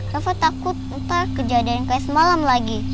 rafa takut ntar kejadian kayak semalam lagi